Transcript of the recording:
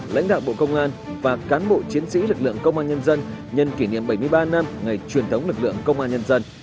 lãnh đạo bộ công an và cán bộ chiến sĩ lực lượng công an nhân dân nhân kỷ niệm bảy mươi ba năm ngày truyền thống lực lượng công an nhân dân